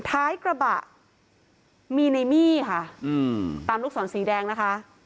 ท้ายกระบะมีในมี่ค่ะตามลูกศรสีแดงนะคะ